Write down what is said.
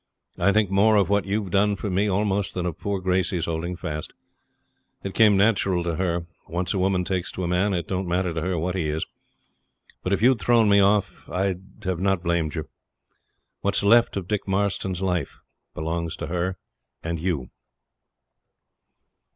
I think more of what you've done for me almost than of poor Gracey's holding fast. It came natural to her. Once a woman takes to a man, it don't matter to her what he is. But if you'd thrown me off I'd have not blamed you. What's left of Dick Marston's life belongs to her and you.'